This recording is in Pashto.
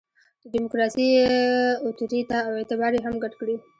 د ډیموکراسي اُتوریته او اعتبار یې هم ګډ کړي.